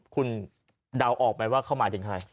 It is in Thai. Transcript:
คุณเดาออกไปว่าเข้ามาจนยังไง